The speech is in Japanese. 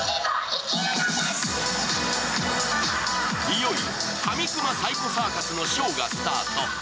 いよいよハミクマ・サイコ・サーカスのショーがスタート。